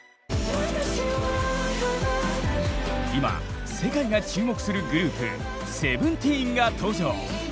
今世界が注目するグループＳＥＶＥＮＴＥＥＮが登場！